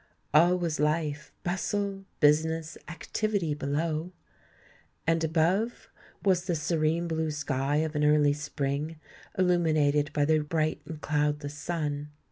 All was life—bustle—business—activity below! And above was the serene blue sky of an early spring, illuminated by the bright and cloudless sun.